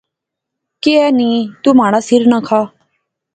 کی ایہہ نی، تو مہاڑا سر نہ کھا